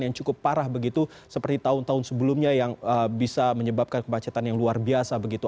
yang cukup parah begitu seperti tahun tahun sebelumnya yang bisa menyebabkan kemacetan yang luar biasa begitu